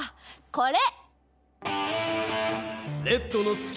これ！